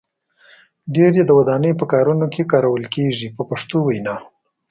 ډیری یې د ودانۍ په کارونو کې کارول کېږي په پښتو وینا.